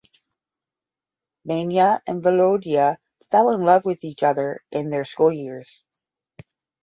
Manya and Volodya fell in love with each other in their school years.